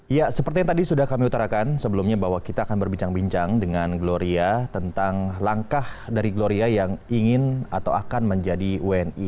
ya seperti yang tadi sudah kami utarakan sebelumnya bahwa kita akan berbincang bincang dengan gloria tentang langkah dari gloria yang ingin atau akan menjadi wni